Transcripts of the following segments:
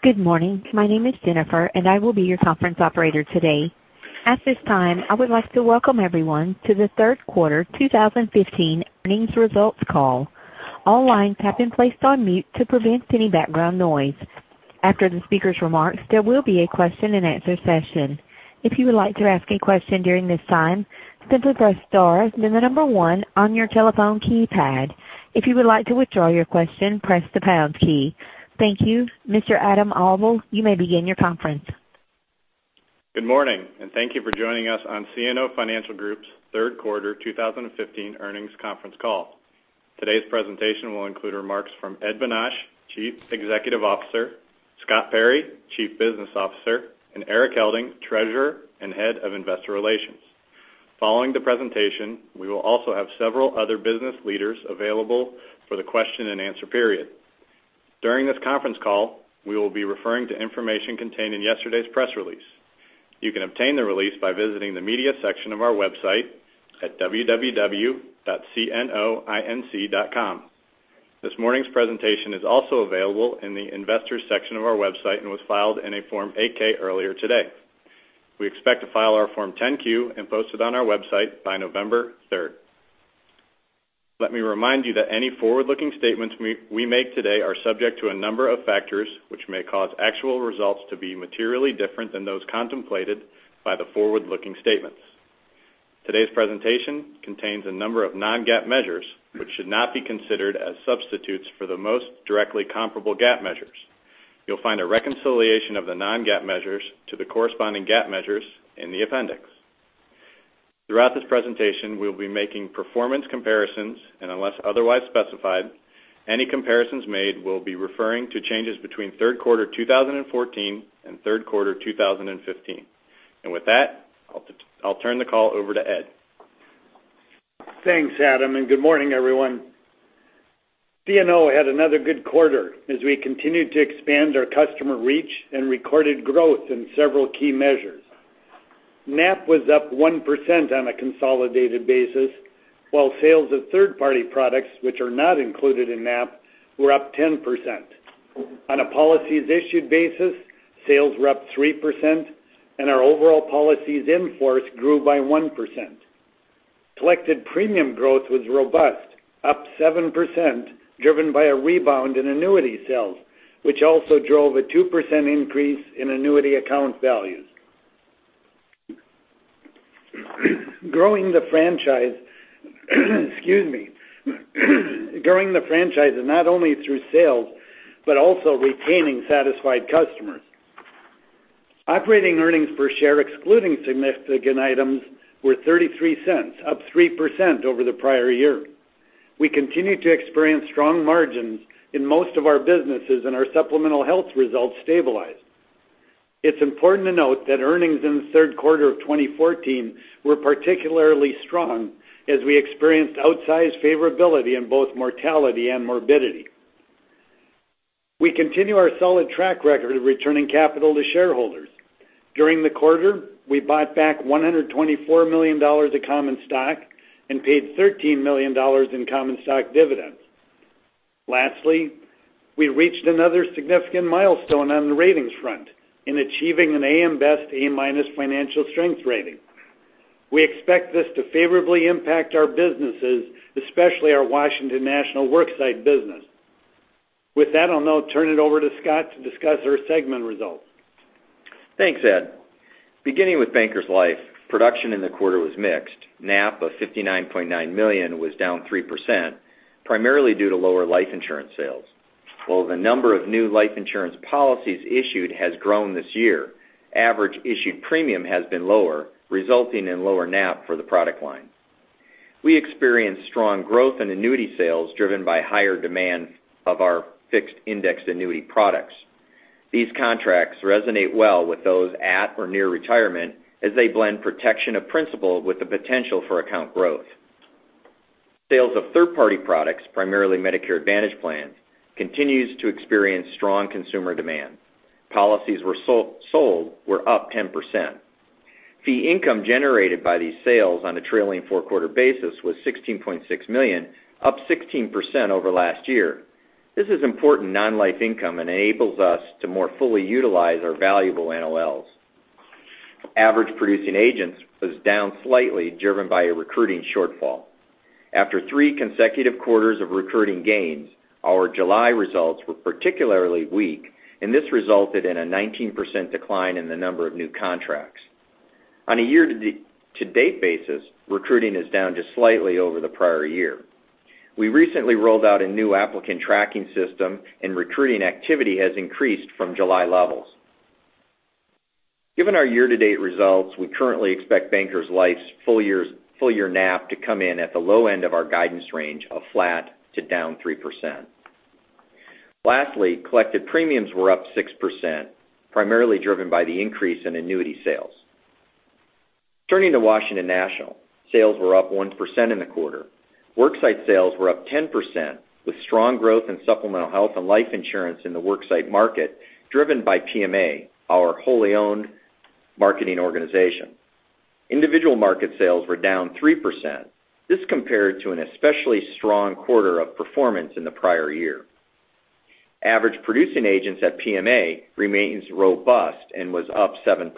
Good morning. My name is Jennifer, and I will be your conference operator today. At this time, I would like to welcome everyone to the third quarter 2015 earnings results call. All lines have been placed on mute to prevent any background noise. After the speaker's remarks, there will be a question and answer session. If you would like to ask a question during this time, simply press star then the number one on your telephone keypad. If you would like to withdraw your question, press the pound key. Thank you. Mr. Adam Auvil, you may begin your conference. Good morning. Thank you for joining us on CNO Financial Group's third quarter 2015 earnings conference call. Today's presentation will include remarks from Ed Bonach, Chief Executive Officer, Scott Perry, Chief Business Officer, and Erik Helding, Treasurer and Head of Investor Relations. Following the presentation, we will also have several other business leaders available for the question and answer period. During this conference call, we will be referring to information contained in yesterday's press release. You can obtain the release by visiting the media section of our website at www.cnoinc.com. This morning's presentation is also available in the investors section of our website and was filed in a Form 8-K earlier today. We expect to file our Form 10-Q and post it on our website by November 3rd. Let me remind you that any forward-looking statements we make today are subject to a number of factors which may cause actual results to be materially different than those contemplated by the forward-looking statements. Today's presentation contains a number of non-GAAP measures, which should not be considered as substitutes for the most directly comparable GAAP measures. You'll find a reconciliation of the non-GAAP measures to the corresponding GAAP measures in the appendix. Throughout this presentation, we'll be making performance comparisons, unless otherwise specified, any comparisons made will be referring to changes between third quarter 2014 and third quarter 2015. With that, I'll turn the call over to Ed. Thanks, Adam. Good morning, everyone. CNO had another good quarter as we continued to expand our customer reach and recorded growth in several key measures. NAP was up 1% on a consolidated basis, while sales of third-party products, which are not included in NAP, were up 10%. On a policies issued basis, sales were up 3%, and our overall policies in force grew by 1%. Collected premium growth was robust, up 7%, driven by a rebound in annuity sales, which also drove a 2% increase in annuity account values. Growing the franchise not only through sales but also retaining satisfied customers. Operating earnings per share excluding significant items were $0.33, up 3% over the prior year. We continue to experience strong margins in most of our businesses, and our supplemental health results stabilized. It's important to note that earnings in the third quarter of 2014 were particularly strong as we experienced outsized favorability in both mortality and morbidity. We continue our solid track record of returning capital to shareholders. During the quarter, we bought back $124 million of common stock and paid $13 million in common stock dividends. Lastly, we reached another significant milestone on the ratings front in achieving an AM Best A-minus financial strength rating. We expect this to favorably impact our businesses, especially our Washington National work site business. I'll now turn it over to Scott to discuss our segment results. Thanks, Ed. Beginning with Bankers Life, production in the quarter was mixed. NAP of $59.9 million was down 3%, primarily due to lower life insurance sales. While the number of new life insurance policies issued has grown this year, average issued premium has been lower, resulting in lower NAP for the product line. We experienced strong growth in annuity sales driven by higher demand of our fixed indexed annuity products. These contracts resonate well with those at or near retirement as they blend protection of principal with the potential for account growth. Sales of third-party products, primarily Medicare Advantage plans, continues to experience strong consumer demand. Policies sold were up 10%. Fee income generated by these sales on a trailing four-quarter basis was $16.6 million, up 16% over last year. This is important non-life income and enables us to more fully utilize our valuable NOLs. Average producing agents was down slightly, driven by a recruiting shortfall. After three consecutive quarters of recruiting gains, our July results were particularly weak, this resulted in a 19% decline in the number of new contracts. On a year-to-date basis, recruiting is down just slightly over the prior year. We recently rolled out a new applicant tracking system, recruiting activity has increased from July levels. Given our year-to-date results, we currently expect Bankers Life's full-year NAP to come in at the low end of our guidance range of flat to down 3%. Lastly, collected premiums were up 6%, primarily driven by the increase in annuity sales. Turning to Washington National, sales were up 1% in the quarter. Worksite sales were up 10%, with strong growth in supplemental health and life insurance in the worksite market driven by PMA, our wholly owned marketing organization. Individual market sales were down 3%. This compared to an especially strong quarter of performance in the prior year. Average producing agents at PMA remains robust and was up 7%.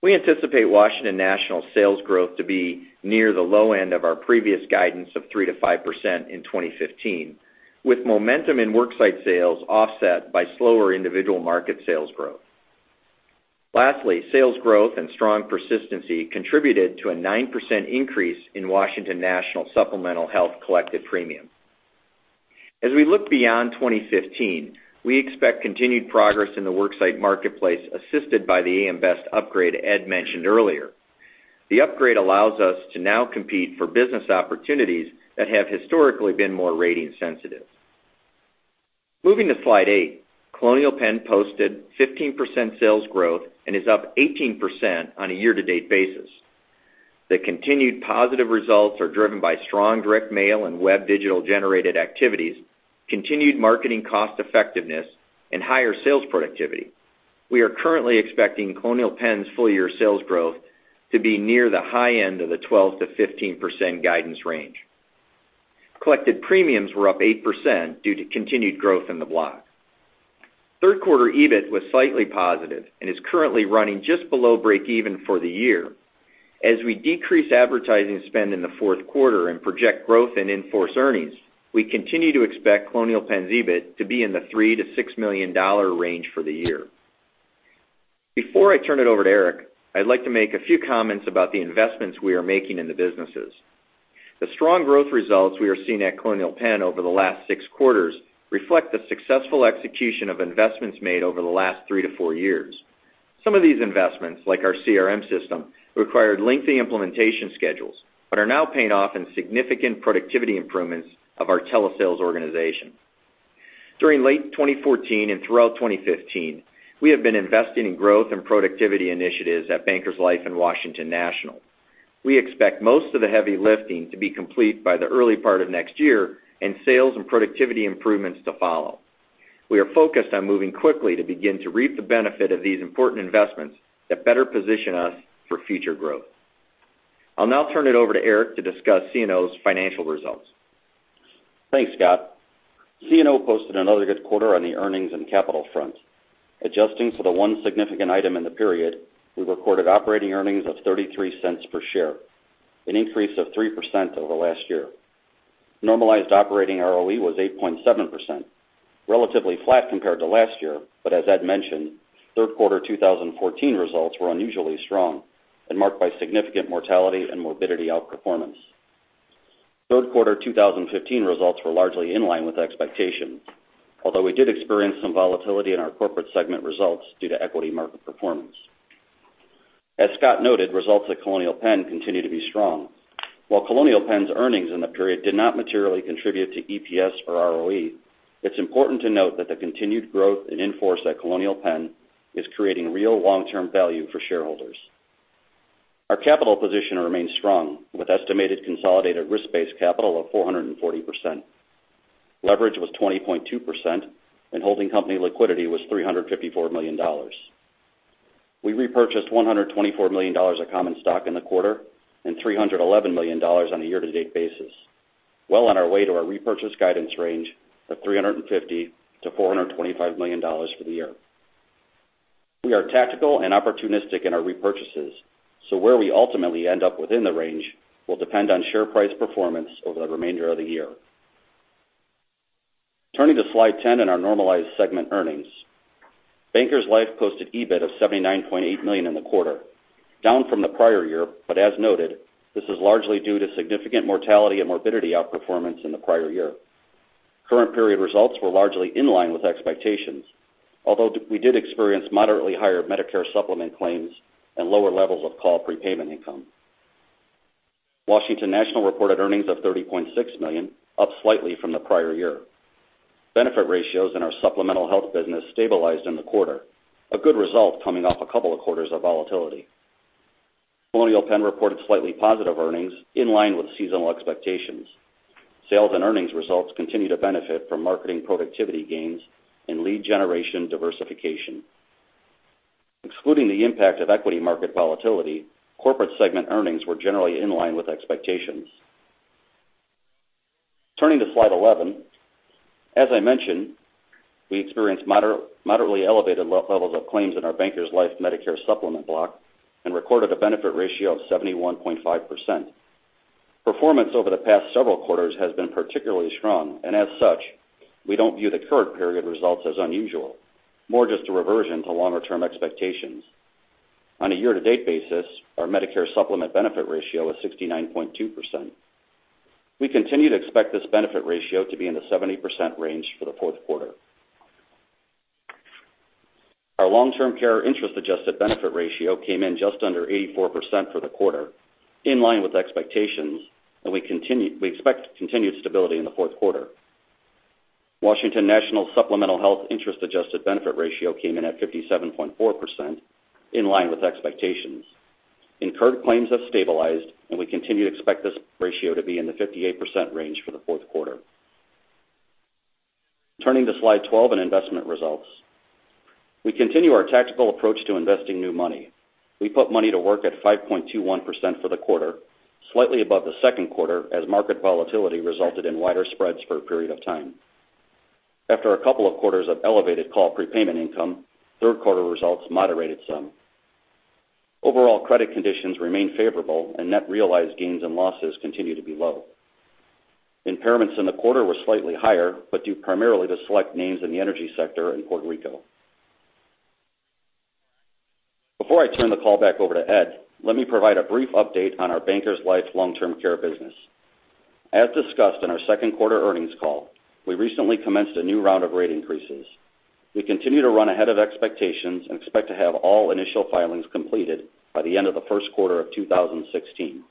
We anticipate Washington National sales growth to be near the low end of our previous guidance of 3%-5% in 2015, with momentum in worksite sales offset by slower individual market sales growth. Lastly, sales growth and strong persistency contributed to a 9% increase in Washington National supplemental health collected premium. As we look beyond 2015, we expect continued progress in the worksite marketplace, assisted by the AM Best upgrade Ed mentioned earlier. The upgrade allows us to now compete for business opportunities that have historically been more rating sensitive. Moving to slide eight, Colonial Penn posted 15% sales growth and is up 18% on a year-to-date basis. The continued positive results are driven by strong direct mail and web digital-generated activities, continued marketing cost effectiveness, and higher sales productivity. We are currently expecting Colonial Penn's full-year sales growth to be near the high end of the 12%-15% guidance range. Collected premiums were up 8% due to continued growth in the block. Third quarter EBIT was slightly positive and is currently running just below break even for the year. As we decrease advertising spend in the fourth quarter and project growth in in-force earnings, we continue to expect Colonial Penn's EBIT to be in the $3 million-$6 million range for the year. Before I turn it over to Erik, I'd like to make a few comments about the investments we are making in the businesses. The strong growth results we are seeing at Colonial Penn over the last six quarters reflect the successful execution of investments made over the last three to four years. Some of these investments, like our CRM system, required lengthy implementation schedules, but are now paying off in significant productivity improvements of our telesales organization. During late 2014 and throughout 2015, we have been investing in growth and productivity initiatives at Bankers Life and Washington National. We expect most of the heavy lifting to be complete by the early part of next year, and sales and productivity improvements to follow. We are focused on moving quickly to begin to reap the benefit of these important investments that better position us for future growth. I'll now turn it over to Erik to discuss CNO's financial results. Thanks, Scott. CNO posted another good quarter on the earnings and capital front. Adjusting for the one significant item in the period, we recorded operating earnings of $0.33 per share, an increase of 3% over last year. Normalized operating ROE was 8.7%, relatively flat compared to last year, but as Ed mentioned, third quarter 2014 results were unusually strong and marked by significant mortality and morbidity outperformance. Third quarter 2015 results were largely in line with expectations, although we did experience some volatility in our corporate segment results due to equity market performance. As Scott noted, results at Colonial Penn continue to be strong. While Colonial Penn's earnings in the period did not materially contribute to EPS or ROE, it's important to note that the continued growth in in-force at Colonial Penn is creating real long-term value for shareholders. Our capital position remains strong, with estimated consolidated risk-based capital of 440%. Leverage was 20.2%, and holding company liquidity was $354 million. We repurchased $124 million of common stock in the quarter and $311 million on a year-to-date basis, well on our way to our repurchase guidance range of $350 million-$425 million for the year. We are tactical and opportunistic in our repurchases, so where we ultimately end up within the range will depend on share price performance over the remainder of the year. Turning to slide 10 and our normalized segment earnings. Bankers Life posted EBIT of $79.8 million in the quarter, down from the prior year, but as noted, this is largely due to significant mortality and morbidity outperformance in the prior year. Current period results were largely in line with expectations, although we did experience moderately higher Medicare Supplement claims and lower levels of call prepayment income. Washington National reported earnings of $30.6 million, up slightly from the prior year. Benefit ratios in our supplemental health business stabilized in the quarter, a good result coming off a couple of quarters of volatility. Colonial Penn reported slightly positive earnings in line with seasonal expectations. Sales and earnings results continue to benefit from marketing productivity gains and lead generation diversification. Excluding the impact of equity market volatility, corporate segment earnings were generally in line with expectations. Turning to slide 11. As I mentioned, we experienced moderately elevated levels of claims in our Bankers Life Medicare Supplement block and recorded a benefit ratio of 71.5%. Performance over the past several quarters has been particularly strong, as such, we don't view the current period results as unusual, more just a reversion to longer-term expectations. On a year-to-date basis, our Medicare Supplement benefit ratio is 69.2%. We continue to expect this benefit ratio to be in the 70% range for the fourth quarter. Our long-term care interest-adjusted benefit ratio came in just under 84% for the quarter, in line with expectations, and we expect continued stability in the fourth quarter. Washington National supplemental health interest-adjusted benefit ratio came in at 57.4%, in line with expectations. Incurred claims have stabilized, and we continue to expect this ratio to be in the 58% range for the fourth quarter. Turning to slide 12 in investment results. We continue our tactical approach to investing new money. We put money to work at 5.21% for the quarter, slightly above the second quarter, as market volatility resulted in wider spreads for a period of time. After a couple of quarters of elevated call prepayment income, third quarter results moderated some. Overall credit conditions remain favorable, and net realized gains and losses continue to be low. Impairments in the quarter were slightly higher, but due primarily to select names in the energy sector in Puerto Rico. Before I turn the call back over to Ed, let me provide a brief update on our Bankers Life long-term care business. As discussed in our second quarter earnings call, we recently commenced a new round of rate increases. We continue to run ahead of expectations and expect to have all initial filings completed by the end of the first quarter of 2016.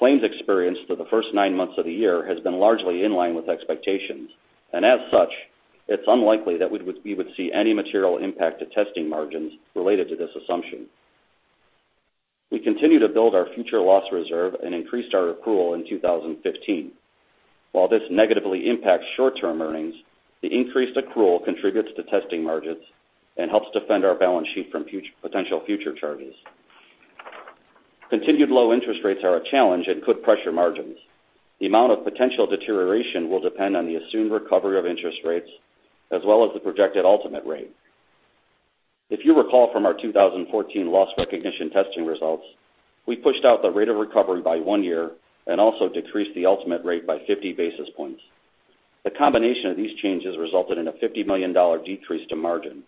Claims experienced for the first nine months of the year has been largely in line with expectations, as such, it's unlikely that we would see any material impact to testing margins related to this assumption. We continue to build our future loss reserve and increased our accrual in 2015. While this negatively impacts short-term earnings, the increased accrual contributes to testing margins and helps defend our balance sheet from potential future charges. Continued low interest rates are a challenge and could pressure margins. The amount of potential deterioration will depend on the assumed recovery of interest rates, as well as the projected ultimate rate. If you recall from our 2014 loss recognition testing results, we pushed out the rate of recovery by one year and also decreased the ultimate rate by 50 basis points. The combination of these changes resulted in a $50 million decrease to margin.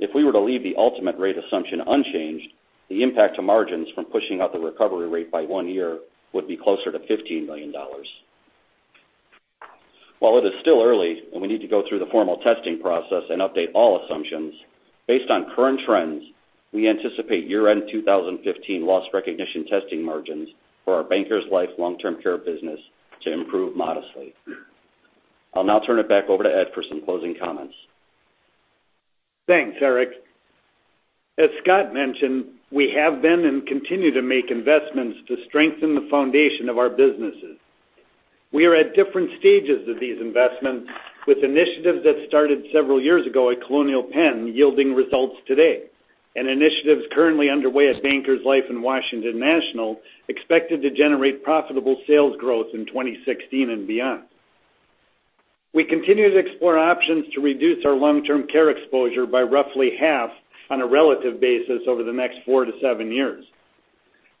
If we were to leave the ultimate rate assumption unchanged, the impact to margins from pushing out the recovery rate by one year would be closer to $15 million. While it is still early, and we need to go through the formal testing process and update all assumptions, based on current trends, we anticipate year-end 2015 loss recognition testing margins for our Bankers Life long-term care business to improve modestly. I'll now turn it back over to Ed for some closing comments. Thanks, Erik. As Scott mentioned, we have been and continue to make investments to strengthen the foundation of our businesses. We are at different stages of these investments with initiatives that started several years ago at Colonial Penn yielding results today, initiatives currently underway at Bankers Life and Washington National expected to generate profitable sales growth in 2016 and beyond. We continue to explore options to reduce our long-term care exposure by roughly half on a relative basis over the next four to seven years.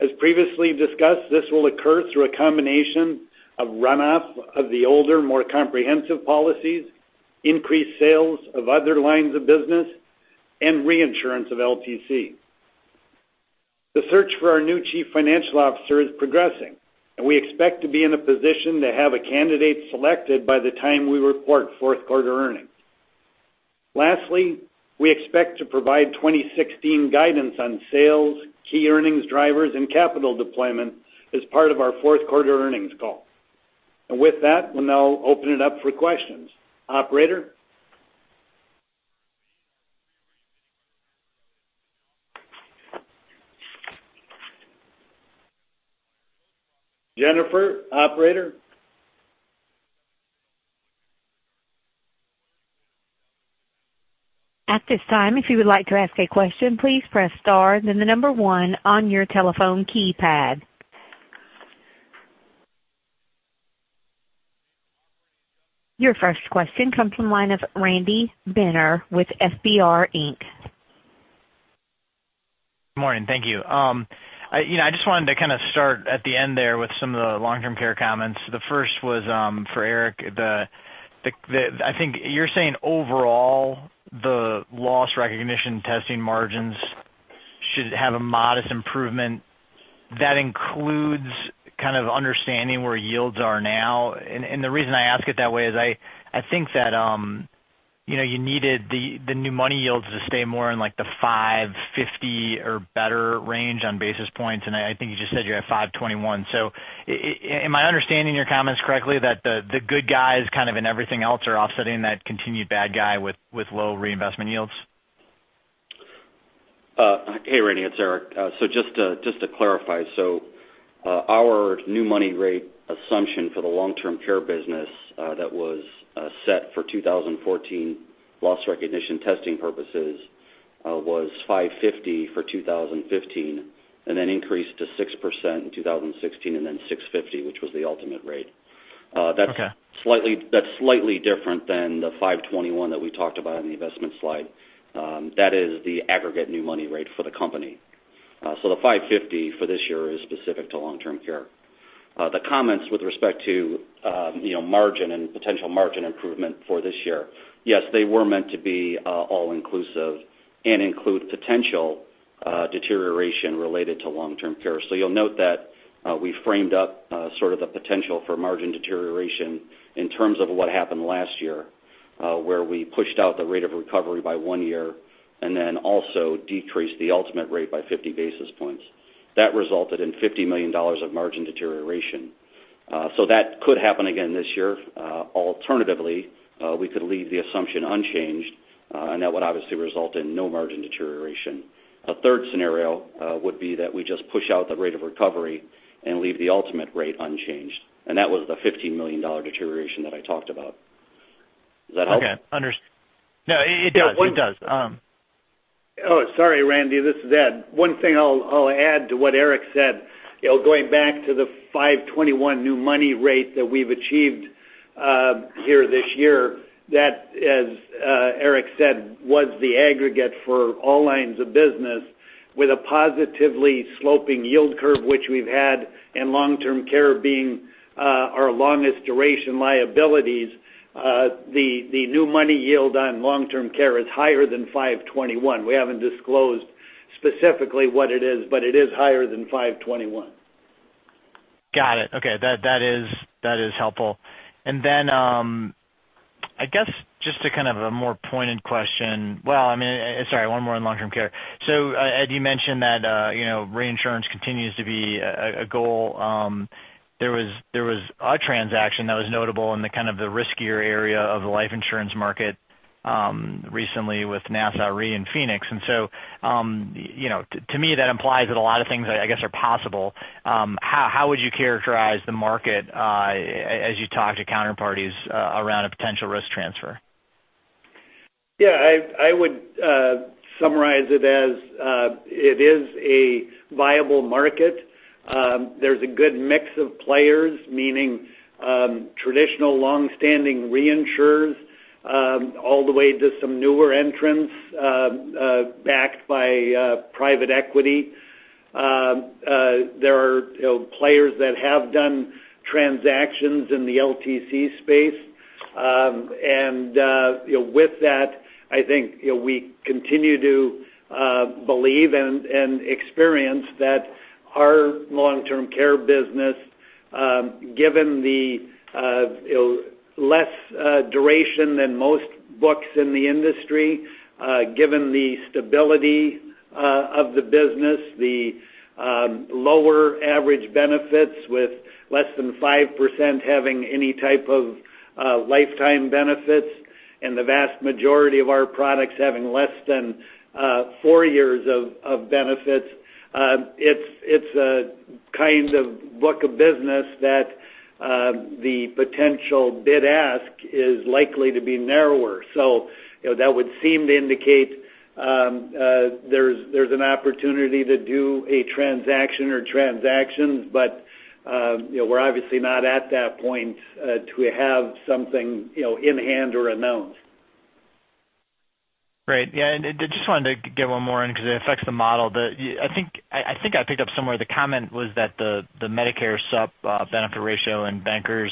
As previously discussed, this will occur through a combination of runoff of the older, more comprehensive policies, increased sales of other lines of business, reinsurance of LTC. The search for our new chief financial officer is progressing, we expect to be in a position to have a candidate selected by the time we report fourth quarter earnings. Lastly, we expect to provide 2016 guidance on sales, key earnings drivers, and capital deployment as part of our fourth quarter earnings call. With that, we'll now open it up for questions. Operator? Jennifer? Operator? At this time, if you would like to ask a question, please press star, then the number one on your telephone keypad. Your first question comes from the line of Randy Binner with FBR Inc. Morning. Thank you. I just wanted to kind of start at the end there with some of the long-term care comments. The first was for Erik. I think you're saying overall, the loss recognition testing margins should have a modest improvement that includes kind of understanding where yields are now. The reason I ask it that way is I think that you needed the new money yields to stay more in like the 550 or better range on basis points, and I think you just said you're at 521. Am I understanding your comments correctly that the good guys kind of in everything else are offsetting that continued bad guy with low reinvestment yields? Hey, Randy Binner, it's Erik. Just to clarify, our new money rate assumption for the long-term care business that was set for 2014 loss recognition testing purposes was 550 for 2015, and then increased to 6% in 2016, and then 650, which was the ultimate rate. Okay. That's slightly different than the 521 that we talked about on the investment slide. That is the aggregate new money rate for the company. The 550 for this year is specific to long-term care. The comments with respect to margin and potential margin improvement for this year. Yes, they were meant to be all-inclusive and include potential deterioration related to long-term care. You'll note that we framed up sort of the potential for margin deterioration in terms of what happened last year, where we pushed out the rate of recovery by one year, and then also decreased the ultimate rate by 50 basis points. That resulted in $50 million of margin deterioration. That could happen again this year. Alternatively, we could leave the assumption unchanged, and that would obviously result in no margin deterioration. A third scenario would be that we just push out the rate of recovery and leave the ultimate rate unchanged, and that was the $15 million deterioration that I talked about. Does that help? Okay. No, it does. Sorry, Randy, this is Ed. One thing I'll add to what Erik said, going back to the 521 new money rate that we've achieved here this year, that, as Erik said, was the aggregate for all lines of business with a positively sloping yield curve, which we've had, and long-term care being our longest duration liabilities. The new money yield on long-term care is higher than 521. We haven't disclosed specifically what it is, but it is higher than 521. Got it. Okay. That is helpful. Then, I guess, just to kind of a more pointed question. Well, I mean, sorry, one more on long-term care. Ed, you mentioned that reinsurance continues to be a goal. There was a transaction that was notable in the kind of the riskier area of the life insurance market recently with Nassau Re and Phoenix. To me, that implies that a lot of things, I guess, are possible. How would you characterize the market as you talk to counterparties around a potential risk transfer? I would summarize it as it is a viable market. There's a good mix of players, meaning traditional longstanding reinsurers, all the way to some newer entrants backed by private equity. There are players that have done transactions in the LTC space. With that, I think we continue to believe and experience that our long-term care business given the less duration than most books in the industry, given the stability of the business, the lower average benefits with less than 5% having any type of lifetime benefits, and the vast majority of our products having less than four years of benefits. It's a kind of book of business that the potential bid-ask is likely to be narrower. That would seem to indicate there's an opportunity to do a transaction or transactions, but we're obviously not at that point to have something in hand or announced. Great. Yeah, just wanted to get one more in because it affects the model. I think I picked up somewhere the comment was that the Medicare sup benefit ratio in Bankers,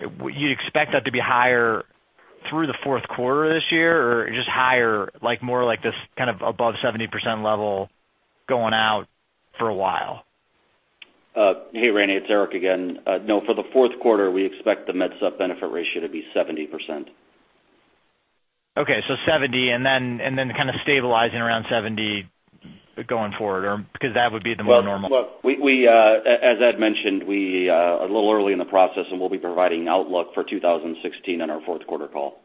you'd expect that to be higher through the fourth quarter this year, or just higher, like more like this kind of above 70% level going out for a while? Hey, Randy, it's Erik again. For the fourth quarter, we expect the Medicare Supplement benefit ratio to be 70%. 70, and then kind of stabilizing around 70 going forward, because that would be the more normal. As Ed mentioned, we are a little early in the process, and we'll be providing outlook for 2016 on our fourth quarter call.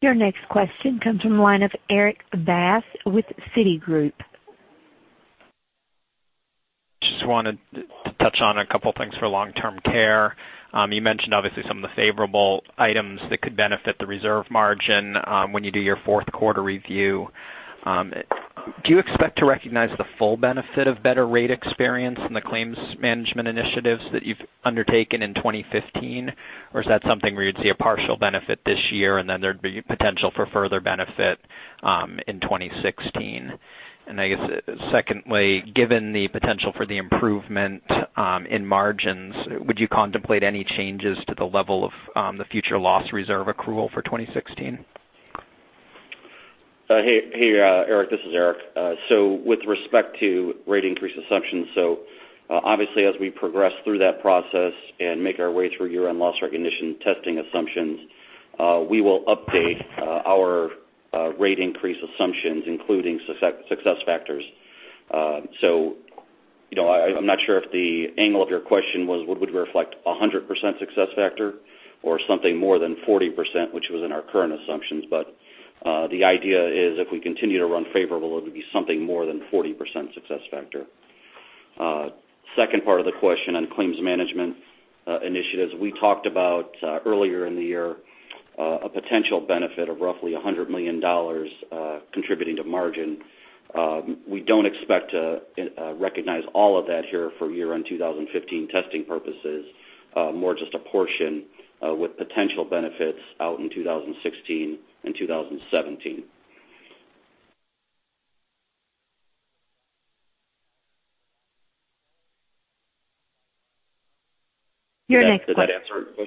Your next question comes from the line of Erik Bass with Citigroup. Just wanted to touch on a couple of things for long-term care. You mentioned, obviously, some of the favorable items that could benefit the reserve margin when you do your fourth quarter review. Do you expect to recognize the full benefit of better rate experience in the claims management initiatives that you've undertaken in 2015? Or is that something where you'd see a partial benefit this year, and then there'd be potential for further benefit in 2016? Secondly, given the potential for the improvement in margins, would you contemplate any changes to the level of the future loss reserve accrual for 2016? Hey, Erik, this is Erik. With respect to rate increase assumptions, obviously, as we progress through that process and make our way through year-end loss recognition testing assumptions, we will update our rate increase assumptions, including success factors. I'm not sure if the angle of your question was would we reflect 100% success factor or something more than 40%, which was in our current assumptions. The idea is if we continue to run favorable, it would be something more than 40% success factor. Second part of the question on claims management initiatives. We talked about earlier in the year a potential benefit of roughly $100 million contributing to margin. We don't expect to recognize all of that here for year-end 2015 testing purposes, more just a portion with potential benefits out in 2016 and 2017. Your next question- Does that answer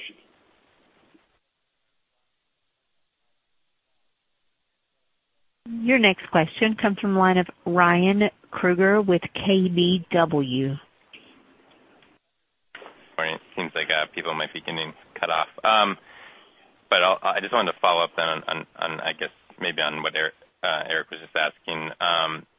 your question? Your next question comes from the line of Ryan Krueger with KBW. My beginning cut off. I just wanted to follow up then on, I guess maybe on what Erik was just asking.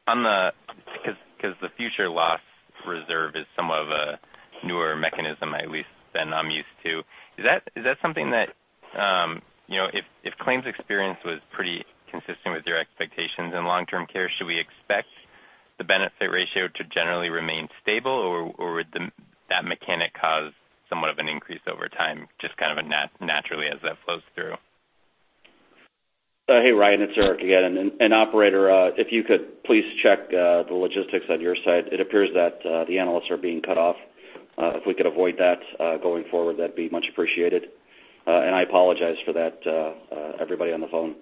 Because the Future Loss Reserve is somewhat of a newer mechanism, at least than I'm used to. Is that something that, if claims experience was pretty consistent with your expectations in Long-Term Care, should we expect the benefit ratio to generally remain stable? Would that mechanic cause somewhat of an increase over time, just kind of naturally as that flows through? Hey, Ryan, it's Erik again. Operator, if you could please check the logistics on your side. It appears that the analysts are being cut off. If we could avoid that going forward, that'd be much appreciated. I apologize for that, everybody on the phone.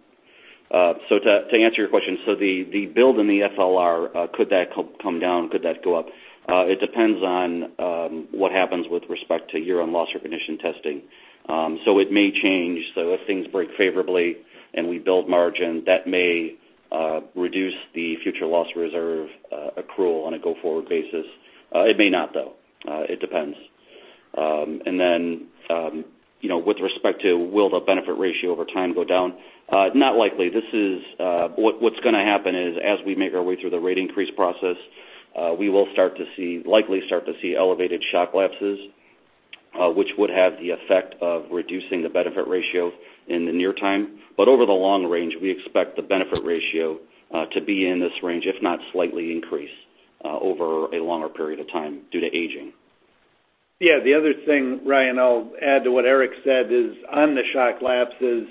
To answer your question, the build in the FLR, could that come down? Could that go up? It depends on what happens with respect to year-end loss recognition testing. It may change. If things break favorably and we build margin, that may reduce the Future Loss Reserve accrual on a go-forward basis. It may not, though. It depends. With respect to will the benefit ratio over time go down? Not likely. What's going to happen is, as we make our way through the rate increase process, we will likely start to see elevated shock lapses, which would have the effect of reducing the benefit ratio in the near time. Over the long range, we expect the benefit ratio to be in this range, if not slightly increased over a longer period of time due to aging. Yeah, the other thing, Ryan, I'll add to what Erik said is on the shock lapses,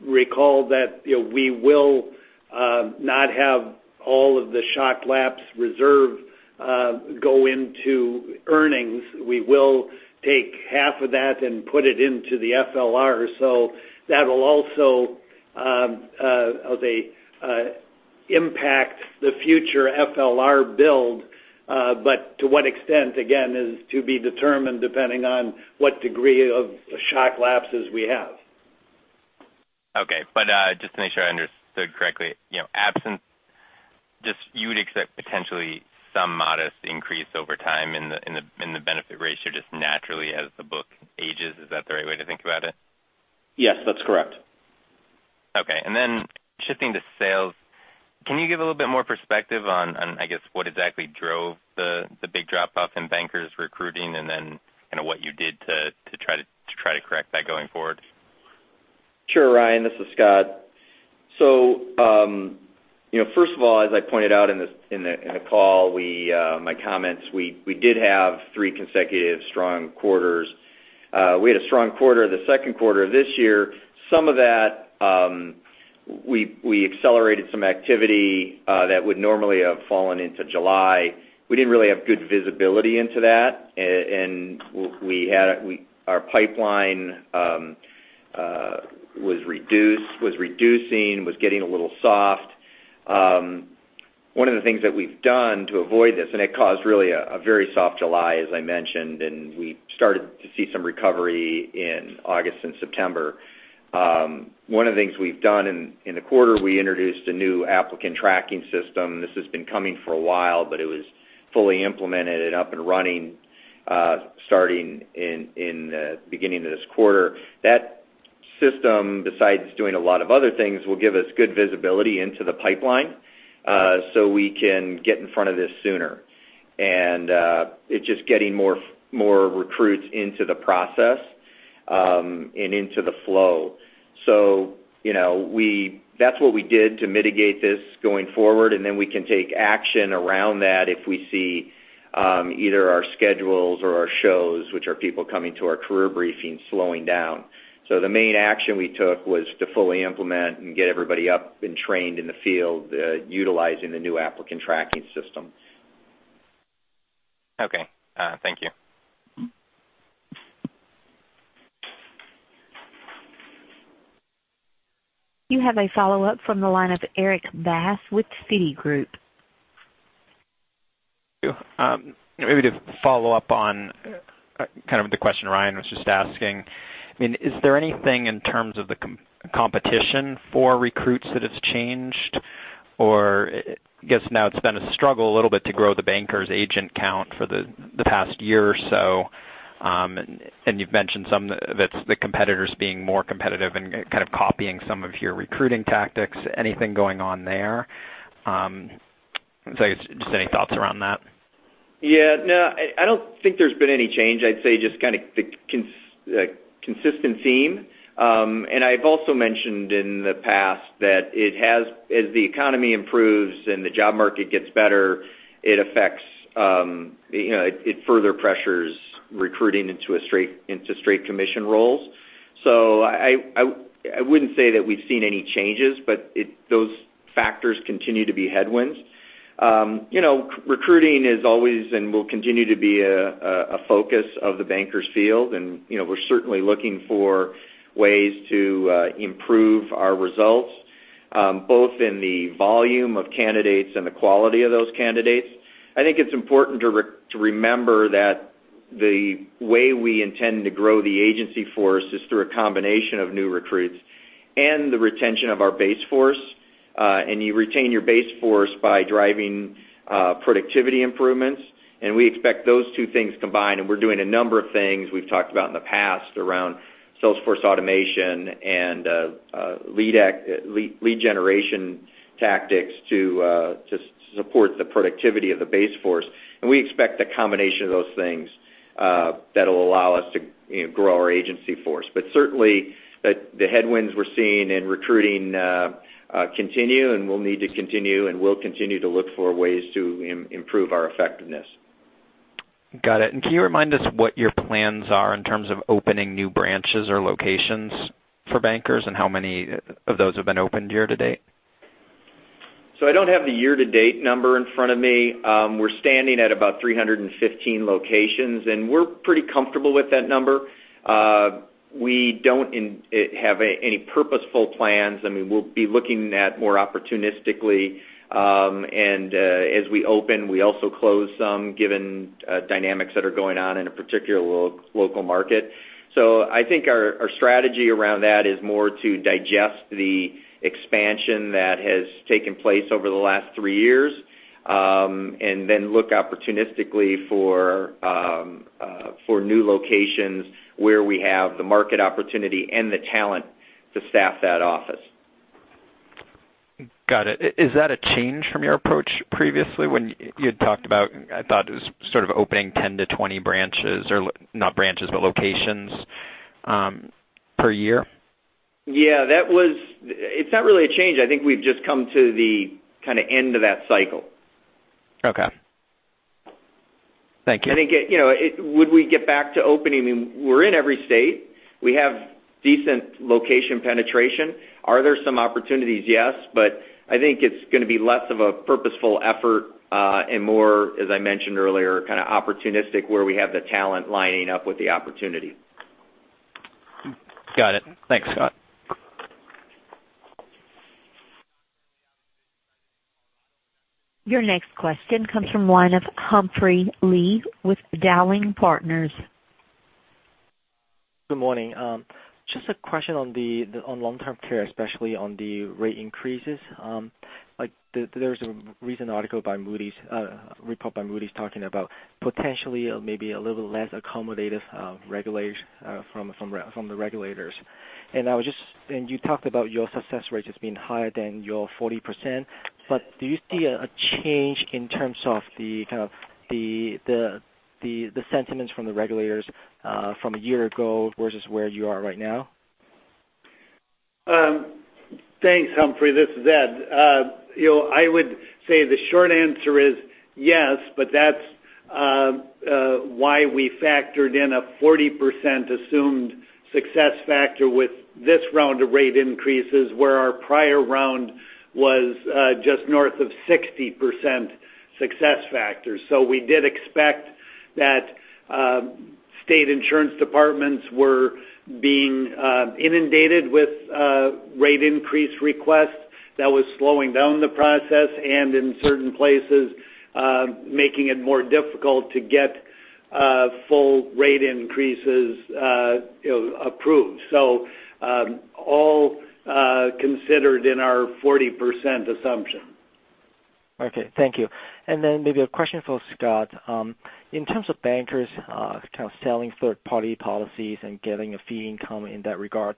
recall that we will not have all of the shock lapse reserve go into earnings. We will take half of that and put it into the FLR. That'll also, I'll say, impact the future FLR build. To what extent, again, is to be determined depending on what degree of shock lapses we have. Okay. Just to make sure I understood correctly, you would accept potentially some modest increase over time in the benefit ratio just naturally as the book ages. Is that the right way to think about it? Yes, that's correct. Okay. Shifting to sales, can you give a little bit more perspective on, I guess, what exactly drove the big drop-off in Bankers Life recruiting and then kind of what you did to try to correct that going forward? Sure, Ryan. This is Scott. First of all, as I pointed out in the call, my comments, we did have three consecutive strong quarters. We had a strong quarter the second quarter of this year. Some of that, we accelerated some activity that would normally have fallen into July. We didn't really have good visibility into that, and our pipeline was reducing, was getting a little soft. One of the things that we've done to avoid this, and it caused really a very soft July, as I mentioned, and we started to see some recovery in August and September. One of the things we've done in the quarter, we introduced a new applicant tracking system. This has been coming for a while, but it was fully implemented and up and running starting in the beginning of this quarter. That system, besides doing a lot of other things, will give us good visibility into the pipeline so we can get in front of this sooner. It's just getting more recruits into the process and into the flow. That's what we did to mitigate this going forward, and then we can take action around that if we see either our schedules or our shows, which are people coming to our career briefings, slowing down. The main action we took was to fully implement and get everybody up and trained in the field utilizing the new applicant tracking system. Okay. Thank you. You have a follow-up from the line of Erik Bass with Citigroup. Maybe to follow up on kind of the question Ryan was just asking. Is there anything in terms of the competition for recruits that has changed, or I guess now it's been a struggle a little bit to grow the Bankers agent count for the past year or so. You've mentioned some that the competitors being more competitive and kind of copying some of your recruiting tactics. Anything going on there? Just any thoughts around that? Yeah. No, I don't think there's been any change. I'd say just kind of the consistent theme. I've also mentioned in the past that as the economy improves and the job market gets better, it further pressures recruiting into straight commission roles. I wouldn't say that we've seen any changes, but those factors continue to be headwinds. Recruiting is always and will continue to be a focus of the Bankers field, and we're certainly looking for ways to improve our results, both in the volume of candidates and the quality of those candidates. I think it's important to remember that the way we intend to grow the agency force is through a combination of new recruits The retention of our base force. You retain your base force by driving productivity improvements, and we expect those two things combined. We're doing a number of things we've talked about in the past around Salesforce automation and lead generation tactics to support the productivity of the base force. We expect a combination of those things that'll allow us to grow our agency force. Certainly, the headwinds we're seeing in recruiting continue, and we'll need to continue to look for ways to improve our effectiveness. Got it. Can you remind us what your plans are in terms of opening new branches or locations for Bankers, and how many of those have been opened year-to-date? I don't have the year-to-date number in front of me. We're standing at about 315 locations, and we're pretty comfortable with that number. We don't have any purposeful plans. We'll be looking at more opportunistically, and as we open, we also close some, given dynamics that are going on in a particular local market. I think our strategy around that is more to digest the expansion that has taken place over the last three years, and then look opportunistically for new locations where we have the market opportunity and the talent to staff that office. Got it. Is that a change from your approach previously when you had talked about, I thought it was sort of opening 10 to 20 branches, or not branches, but locations per year? Yeah. It's not really a change. I think we've just come to the kind of end of that cycle. Okay. Thank you. Would we get back to opening? We're in every state. We have decent location penetration. Are there some opportunities? Yes, but I think it's going to be less of a purposeful effort, and more, as I mentioned earlier, kind of opportunistic where we have the talent lining up with the opportunity. Got it. Thanks, Scott. Your next question comes from line of Humphrey Lee with Dowling & Partners. Good morning. Just a question on long-term care, especially on the rate increases. There's a recent article by Moody's, a report by Moody's talking about potentially maybe a little less accommodative regulation from the regulators. You talked about your success rates as being higher than your 40%, but do you see a change in terms of the sentiments from the regulators from a year ago versus where you are right now? Thanks, Humphrey. This is Ed. I would say the short answer is yes, but that's why we factored in a 40% assumed success factor with this round of rate increases, where our prior round was just north of 60% success factor. We did expect that state insurance departments were being inundated with rate increase requests that was slowing down the process, and in certain places, making it more difficult to get full rate increases approved. All considered in our 40% assumption. Okay, thank you. Then maybe a question for Scott. In terms of Bankers kind of selling third-party policies and getting a fee income in that regard,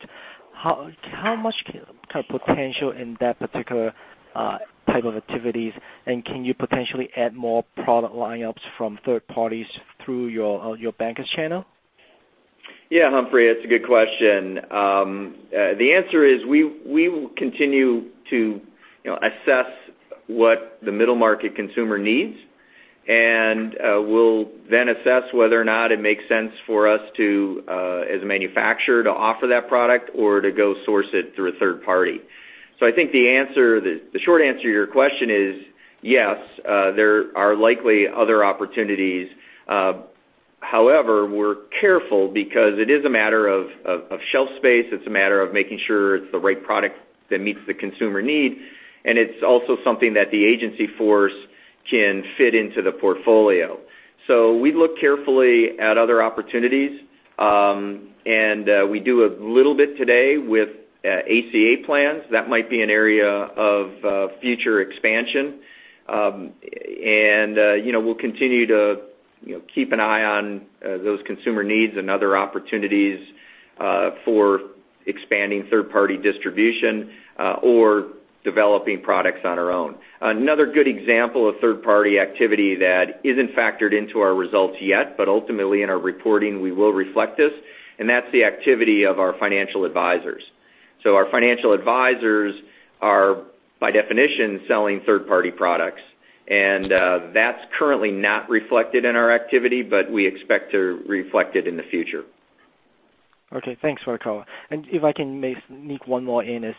how much kind of potential in that particular type of activities, and can you potentially add more product lineups from third parties through your Bankers channel? Yeah, Humphrey, that's a good question. The answer is we will continue to assess what the middle market consumer needs, and we'll then assess whether or not it makes sense for us to, as a manufacturer, to offer that product or to go source it through a third party. I think the short answer to your question is yes, there are likely other opportunities. However, we're careful because it is a matter of shelf space, it's a matter of making sure it's the right product that meets the consumer need, and it's also something that the agency force can fit into the portfolio. We look carefully at other opportunities. We do a little bit today with ACA plans. That might be an area of future expansion. We'll continue to keep an eye on those consumer needs and other opportunities for expanding third-party distribution or developing products on our own. Another good example of third-party activity that isn't factored into our results yet, but ultimately in our reporting, we will reflect this, and that's the activity of our financial advisors. Our financial advisors are, by definition, selling third-party products, and that's currently not reflected in our activity, but we expect to reflect it in the future. Okay, thanks for that call. If I can maybe sneak one more in is,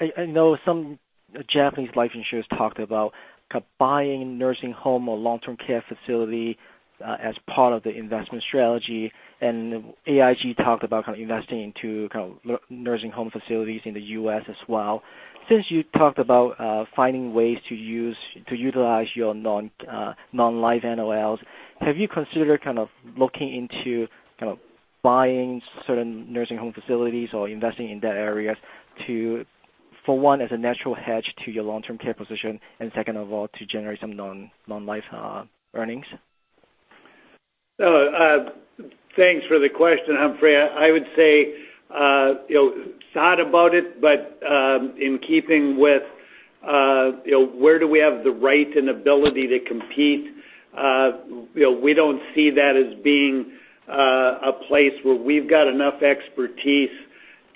I know some Japanese life insurers talked about kind of buying nursing home or long-term care facility as part of the investment strategy. AIG talked about kind of investing into kind of nursing home facilities in the U.S. as well. Since you talked about finding ways to utilize your non-life NOLs, have you considered kind of looking into kind of buying certain nursing home facilities or investing in that area for one, as a natural hedge to your long-term care position, and second of all, to generate some non-life earnings. Thanks for the question, Humphrey. I would say, sad about it, but in keeping with where do we have the right and ability to compete, we don't see that as being a place where we've got enough expertise to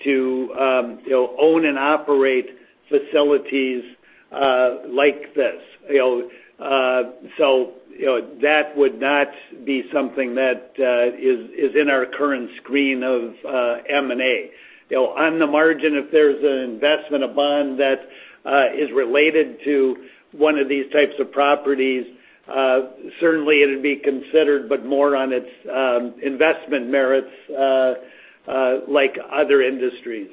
own and operate facilities like this. That would not be something that is in our current screen of M&A. On the margin, if there's an investment, a bond that is related to one of these types of properties, certainly it'd be considered, but more on its investment merits like other industries.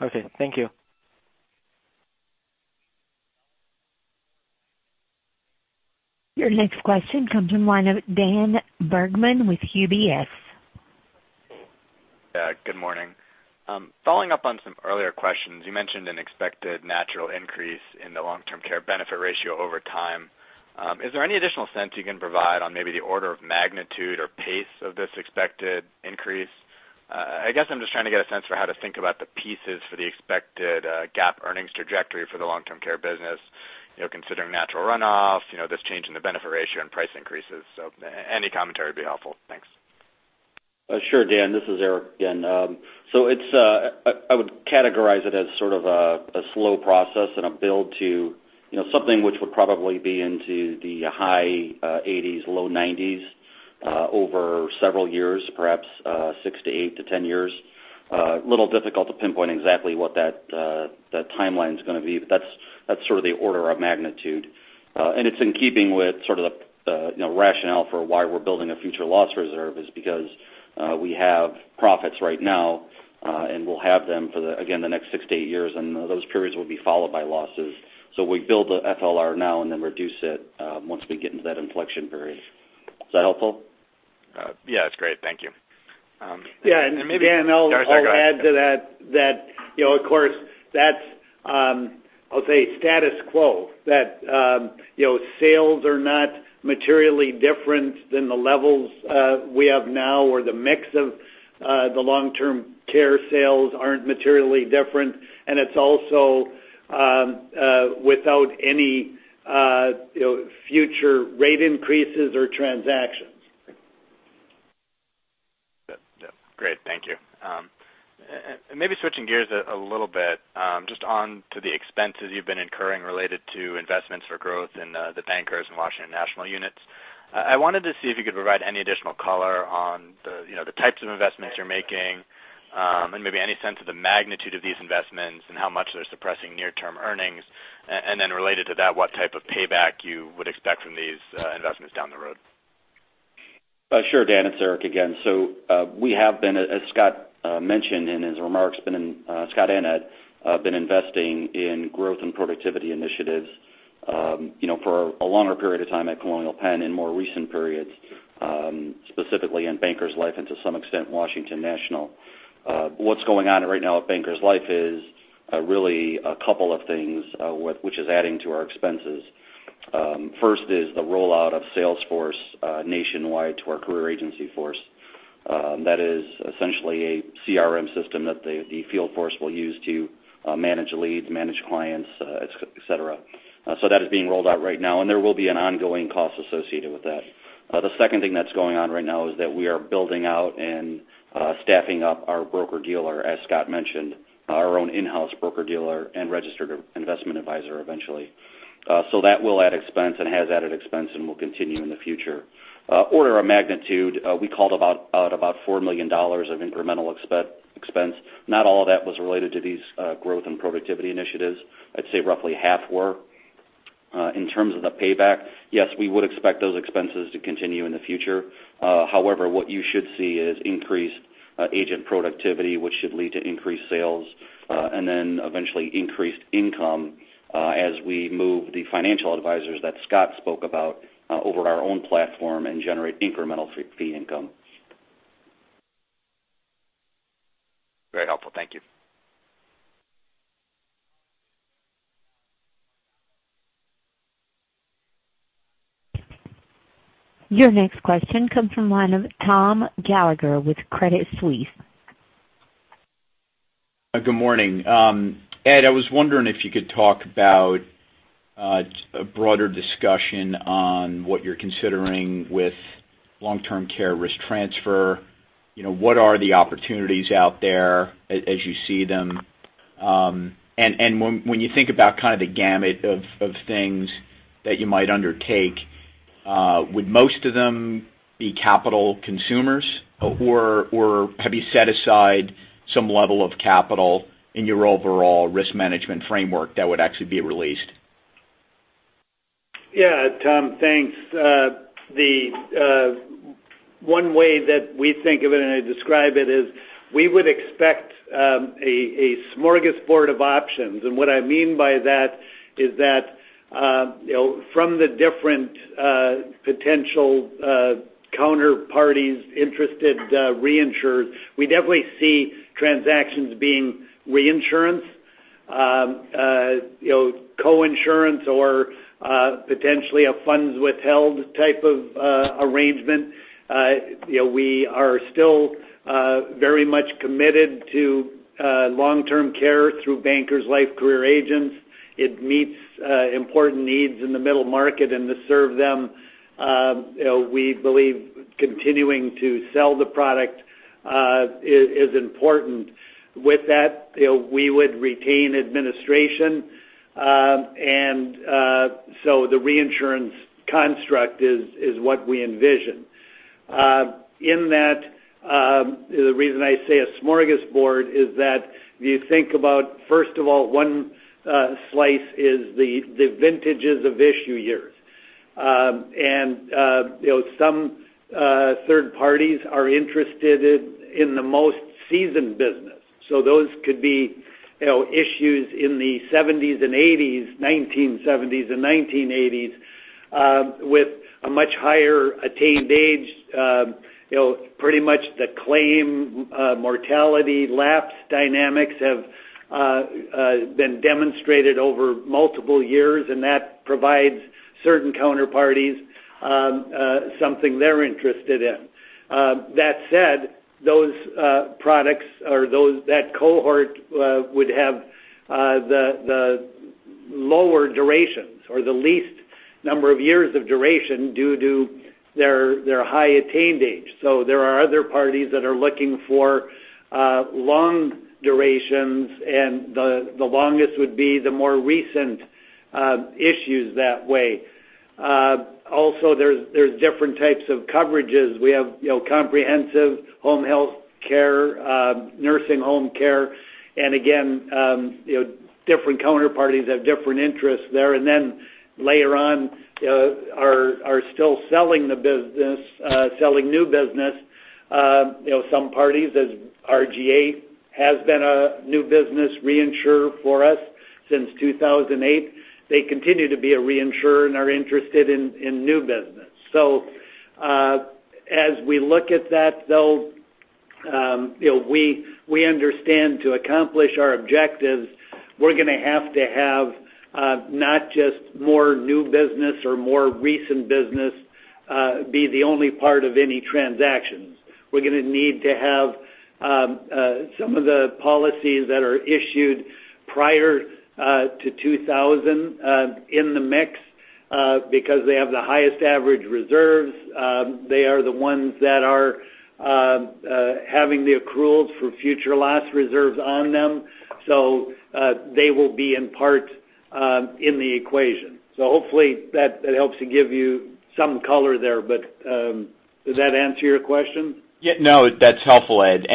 Okay. Thank you. Your next question comes from line of Daniel Bergman with UBS. Yeah. Good morning. Following up on some earlier questions, you mentioned an expected natural increase in the long-term care benefit ratio over time. Is there any additional sense you can provide on maybe the order of magnitude or pace of this expected increase? I guess I'm just trying to get a sense for how to think about the pieces for the expected GAAP earnings trajectory for the long-term care business, considering natural runoff, this change in the benefit ratio, and price increases. Any commentary would be helpful. Thanks. Sure, Dan. This is Erik again. I would categorize it as sort of a slow process and a build to something which would probably be into the high 80s, low 90s over several years, perhaps 6 to 8 to 10 years. A little difficult to pinpoint exactly what that timeline's going to be, but that's sort of the order of magnitude. It's in keeping with sort of the rationale for why we're building a future loss reserve is because we have profits right now, and we'll have them for, again, the next 6 to 8 years, and those periods will be followed by losses. We build the FLR now and then reduce it once we get into that inflection period. Is that helpful? Yeah, that's great. Thank you. Yeah. Dan, I'll add to that, of course, that's I'll say status quo, that sales are not materially different than the levels we have now or the mix of the long-term care sales aren't materially different. It's also without any future rate increases or transactions. Yeah. Great. Thank you. Maybe switching gears a little bit just onto the expenses you've been incurring related to investments for growth in the Bankers Life and Washington National units. I wanted to see if you could provide any additional color on the types of investments you're making and maybe any sense of the magnitude of these investments and how much they're suppressing near-term earnings. Then related to that, what type of payback you would expect from these investments down the road. Sure, Dan. It's Eric again. We have been, as Scott mentioned in his remarks, Scott and Ed, been investing in growth and productivity initiatives for a longer period of time at Colonial Penn in more recent periods, specifically in Bankers Life and to some extent, Washington National. What's going on right now at Bankers Life is really a couple of things which is adding to our expenses. First is the rollout of Salesforce nationwide to our career agency force. That is essentially a CRM system that the field force will use to manage leads, manage clients, et cetera. That is being rolled out right now, and there will be an ongoing cost associated with that. The second thing that's going on right now is that we are building out and staffing up our broker-dealer, as Scott mentioned, our own in-house broker-dealer and registered investment advisor eventually. That will add expense and has added expense and will continue in the future. Order of magnitude, we called out about $4 million of incremental expense. Not all of that was related to these growth and productivity initiatives. I'd say roughly half were. In terms of the payback, yes, we would expect those expenses to continue in the future. However, what you should see is increased agent productivity, which should lead to increased sales, then eventually increased income as we move the financial advisors that Scott spoke about over our own platform and generate incremental fee income. Very helpful. Thank you. Your next question comes from line of Thomas Gallagher with Credit Suisse. Good morning. Ed, I was wondering if you could talk about a broader discussion on what you're considering with long-term care risk transfer. What are the opportunities out there as you see them? When you think about kind of the gamut of things that you might undertake, would most of them be capital consumers or have you set aside some level of capital in your overall risk management framework that would actually be released? Yeah. Tom, thanks. One way that we think of it and I describe it is we would expect a smorgasbord of options. What I mean by that is that from the different potential counterparties interested reinsurers, we definitely see transactions being reinsurance, co-insurance, or potentially a funds withheld type of arrangement. We are still very much committed to long-term care through Bankers Life career agents. It meets important needs in the middle market, and to serve them, we believe continuing to sell the product is important. With that, we would retain administration. The reinsurance construct is what we envision. In that, the reason I say a smorgasbord is that if you think about, first of all, one slice is the vintages of issue years. Some third parties are interested in the most seasoned business. Those could be issues in the 1970s and 1980s with a much higher attained age. Pretty much the claim mortality lapse dynamics have been demonstrated over multiple years, and that provides certain counterparties something they are interested in. That said, those products or that cohort would have the lower durations or the least number of years of duration due to their high attained age. There are other parties that are looking for long durations, and the longest would be the more recent issues that way. Also, there is different types of coverages. We have comprehensive home health care, nursing home care. Again, different counterparties have different interests there, and then later on are still selling the business, selling new business. Some parties as RGA has been a new business reinsurer for us since 2008. They continue to be a reinsurer and are interested in new business. As we look at that though, we understand to accomplish our objectives, we're going to have to have not just more new business or more recent business be the only part of any transactions. We're going to need to have some of the policies that are issued prior to 2000 in the mix because they have the highest average reserves. They are the ones that are having the accruals for future loss reserves on them. They will be in part in the equation. Hopefully that helps to give you some color there. Does that answer your question? Yeah, no, that's helpful, Ed.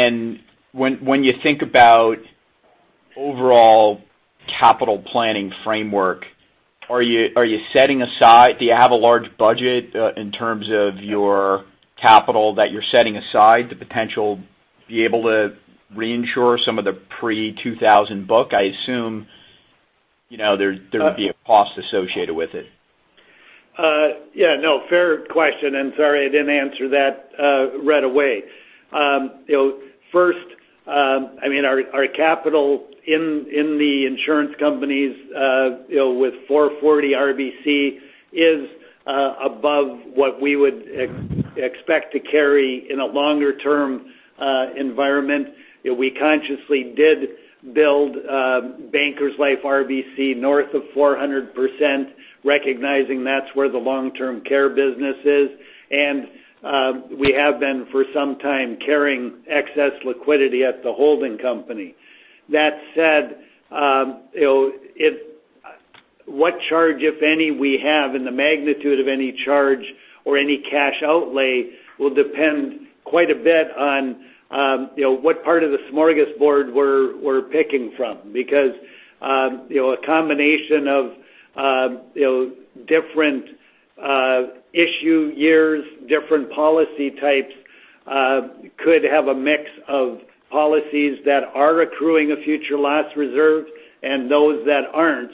When you think about overall capital planning framework, do you have a large budget in terms of your capital that you're setting aside to potential be able to reinsure some of the pre-2000 book? I assume there would be a cost associated with it. Yeah, no, fair question. Sorry, I didn't answer that right away. First, our capital in the insurance companies with 440 RBC is above what we would expect to carry in a longer-term environment. We consciously did build Bankers Life RBC north of 400%, recognizing that's where the long-term care business is. We have been for some time carrying excess liquidity at the holding company. That said, what charge, if any, we have, and the magnitude of any charge or any cash outlay will depend quite a bit on what part of the smorgasbord we're picking from. Because a combination of different issue years, different policy types could have a mix of policies that are accruing a future loss reserve and those that aren't.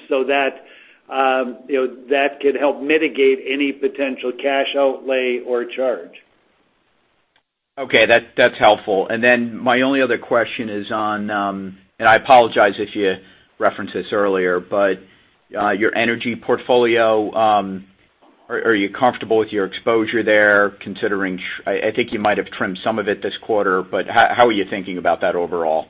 That could help mitigate any potential cash outlay or charge. Okay. That's helpful. My only other question is on, and I apologize if you referenced this earlier, but your energy portfolio. Are you comfortable with your exposure there considering, I think you might have trimmed some of it this quarter, but how are you thinking about that overall?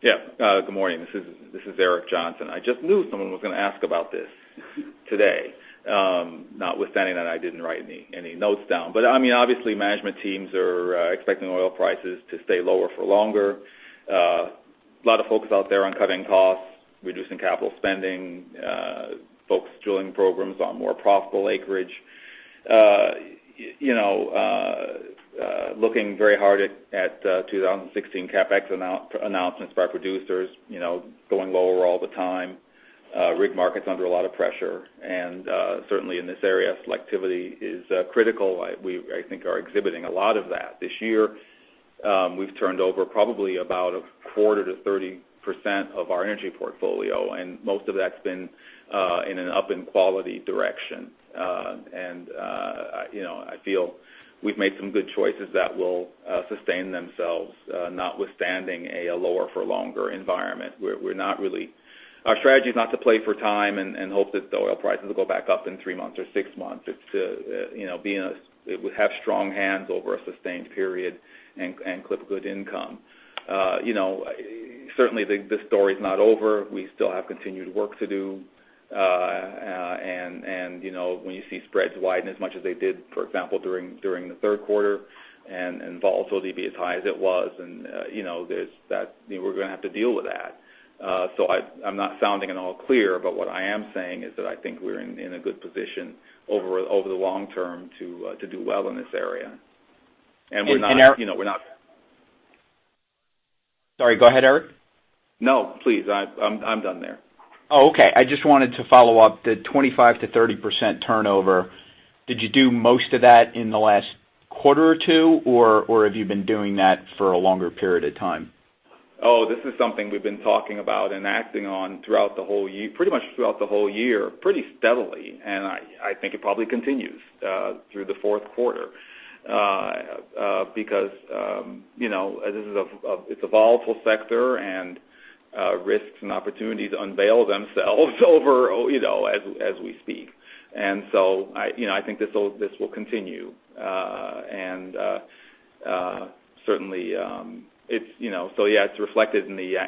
Yeah. Good morning. This is Eric Johnson. I just knew someone was going to ask about this today. Notwithstanding that I didn't write any notes down. Obviously management teams are expecting oil prices to stay lower for longer. A lot of folks out there on cutting costs, reducing capital spending, folks drilling programs on more profitable acreage. Looking very hard at 2016 CapEx announcements by producers going lower all the time. Rig market's under a lot of pressure. Certainly in this area, selectivity is critical. We, I think, are exhibiting a lot of that. This year, we've turned over probably about a quarter to 30% of our energy portfolio, and most of that's been in an up in quality direction. I feel we've made some good choices that will sustain themselves notwithstanding a lower for longer environment. Our strategy is not to play for time and hope that the oil prices will go back up in three months or six months. It's to have strong hands over a sustained period and clip good income. Certainly the story's not over. We still have continued work to do. When you see spreads widen as much as they did, for example, during the third quarter, and volatility be as high as it was, we're going to have to deal with that. I'm not sounding an all clear, but what I am saying is that I think we're in a good position over the long term to do well in this area. And we're not- Sorry, go ahead, Eric. No, please, I'm done there. Oh, okay. I just wanted to follow up the 25%-30% turnover. Did you do most of that in the last quarter or two, or have you been doing that for a longer period of time? Oh, this is something we've been talking about and acting on pretty much throughout the whole year, pretty steadily. I think it probably continues through the fourth quarter because it's a volatile sector, and risks and opportunities unveil themselves over as we speak. I think this will continue. Certainly so yeah, it's reflected in the